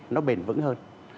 nó bền vững hơn